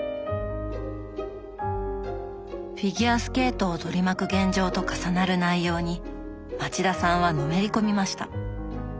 フィギュアスケートを取り巻く現状と重なる内容に町田さんはのめり込みました。